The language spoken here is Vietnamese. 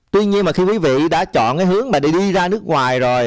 tuy nhiên mà khi quý vị đã chọn cái hướng mà đi ra nước ngoài rồi